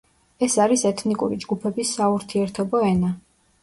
ეს არის ეთნიკური ჯგუფების საურთიერთობო ენა.